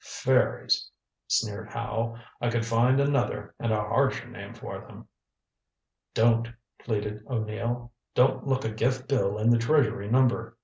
"Fairies," sneered Howe. "I could find another and a harsher name for them." "Don't," pleaded O'Neill. "Don't look a gift bill in the treasury number.